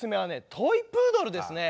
トイプードルですね。